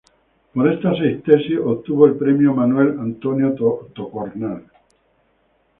Por esta tesis obtuvo el premio Manuel Antonio Tocornal.